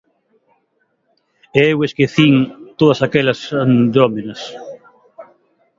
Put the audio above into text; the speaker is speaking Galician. _E eu esquecín todas aquelas andrómenas.